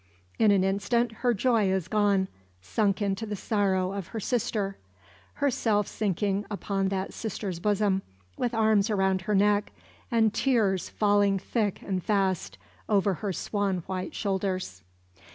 In an instant, her joy is gone, sunk into the sorrow of her sister. Herself sinking upon that sister's bosom, with arms around her neck, and tears falling thick and fast over her swan white shoulders.